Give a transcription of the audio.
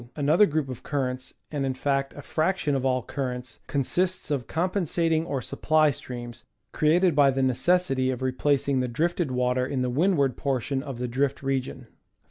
Another group of currents, and in fact a fraction of all cur rents, consists of compensating or supply streams, created by the necessity of replacing the drifted water in the windward portion of the drift region.